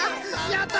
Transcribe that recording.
やった！